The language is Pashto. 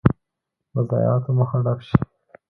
د ضایعاتو مخه ډب شي.